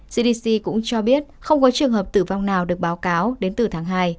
cdc cũng cho biết không có trường hợp tử vong nào được báo cáo đến từ tháng hai